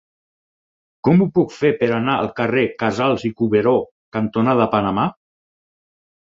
Com ho puc fer per anar al carrer Casals i Cuberó cantonada Panamà?